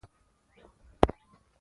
ورور وکیل کړي دی څه وخت د تېریدو